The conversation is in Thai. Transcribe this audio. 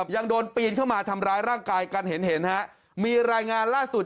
ยังโดนปีนเข้ามาทำร้ายร่างกายกันเห็นฮะมีรายงานล่าสุด